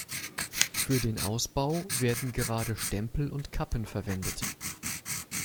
Für den Ausbau werden gerade Stempel und Kappen verwendet.